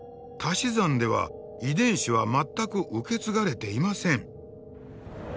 たし算では遺伝子は全く受け継がれていません。